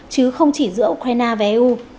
chứ không chỉ giữa ukraine và eu